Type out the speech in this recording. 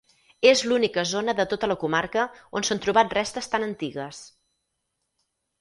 És l'única zona de tota la comarca on s'han trobat restes tan antigues.